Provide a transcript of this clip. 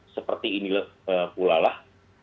seperti ini pula lah